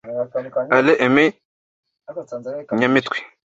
Alain Aimee Nyamitwe